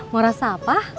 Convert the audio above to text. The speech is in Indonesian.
mau rasa apa